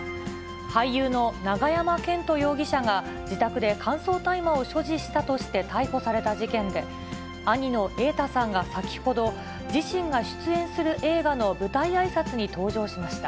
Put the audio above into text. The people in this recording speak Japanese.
俳優の永山絢斗容疑者が、自宅で乾燥大麻を所持したとして逮捕された事件で、兄の瑛太さんが先ほど、自身が出演する映画の舞台あいさつに登場しました。